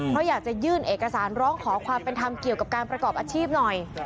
เพราะอยากจะยื่นเอกสารร้องขอความเป็นธรรมเกี่ยวกับการประกอบอาชีพหน่อย